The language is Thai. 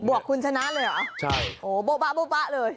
วกคุณชนะเลยเหรอใช่โอ้โบ๊บะโบ๊บะเลย